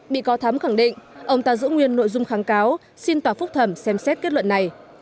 bị cáo thắm khẳng định ông ta giữ nguyên nội dung kháng cáo xin tòa phúc thẩm xem xét kết luận này